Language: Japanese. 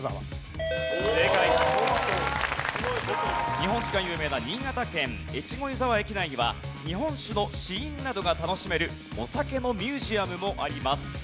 日本酒が有名な新潟県越後湯沢駅内には日本酒の試飲などが楽しめるお酒のミュージアムもあります。